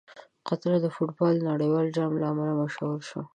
قطر د فټبال د نړیوال جام له امله مشهور شو.